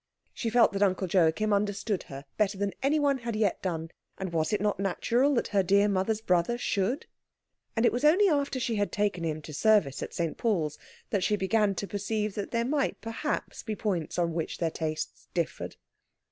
She felt that Uncle Joachim understood her better than anyone had yet done; and was it not natural that her dear mother's brother should? And it was only after she had taken him to service at St. Paul's that she began to perceive that there might perhaps be points on which their tastes differed.